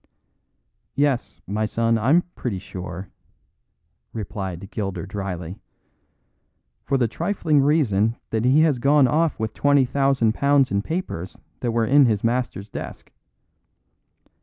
"Yes, my son, I'm pretty sure," replied Gilder drily, "for the trifling reason that he has gone off with twenty thousand pounds in papers that were in his master's desk.